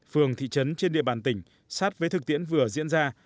phường thị trấn trên địa bàn tỉnh sát với thực tiễn vừa diễn ra